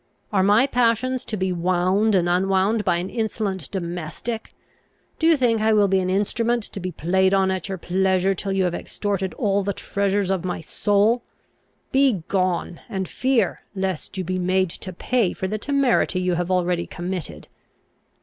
Are my passions to be wound and unwound by an insolent domestic? Do you think I will be an instrument to be played on at your pleasure, till you have extorted all the treasures of my soul? Begone, and fear lest you be made to pay for the temerity you have already committed!"